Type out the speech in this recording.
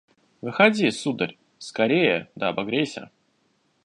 Выходи, сударь, скорее да обогрейся.